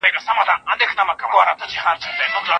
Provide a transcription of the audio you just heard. د کاکړو له خوا لوټ شوې قافله بېرته پيدا شوه.